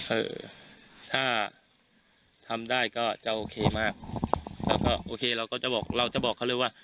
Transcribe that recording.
เออถ้าทำได้ก็จะโอเคมากแล้วก็โอเคเราก็จะบอกเราจะบอกเขาเลยว่า